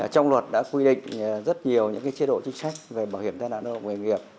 trong luật đã quy định rất nhiều những cái chế độ chính trách về bảo hiểm tai nạn lao động bệnh ngành nghiệp